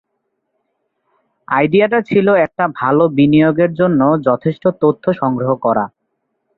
আইডিয়াটা ছিল একটা ভালো বিনিয়োগের জন্য যথেষ্ট তথ্য সংগ্রহ করা।